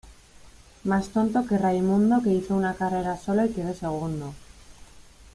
Más tonto que Raimundo que hizo una carrera solo y quedó segundo